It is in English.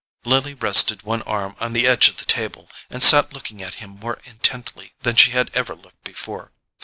Lily rested one arm on the edge of the table, and sat looking at him more intently than she had ever looked before.